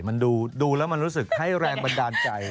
มันดูแล้วมันรู้สึกให้แรงบันดาลใจ